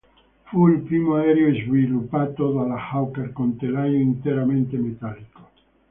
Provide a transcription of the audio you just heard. Fu il primo aereo sviluppato dalla Hawker con telaio interamente metallico.